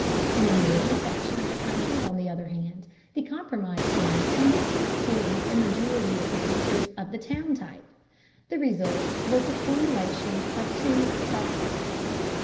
In the northern section of the country, on the other hand, the compromise form tended to include a majority of the features of the town type. The result was the formulation of two sub types.